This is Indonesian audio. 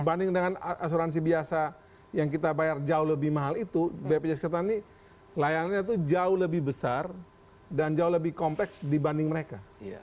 karena asuransi biasa yang kita bayar jauh lebih mahal itu bpjs kesehatan ini layanannya tuh jauh lebih besar dan jauh lebih kompleks dibanding mereka